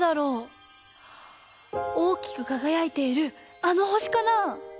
おおきくかがやいているあの星かな？